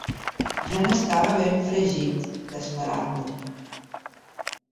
Ja n'estava ben fregit, d'esperar-lo.